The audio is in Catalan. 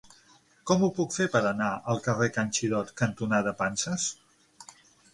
Com ho puc fer per anar al carrer Can Xirot cantonada Panses?